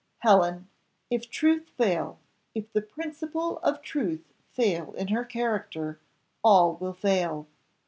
Helen! if truth fail, if the principle of truth fail in her character, all will fail!